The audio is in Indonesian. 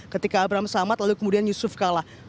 ketika abramsamat lalu kemudian yusuf kala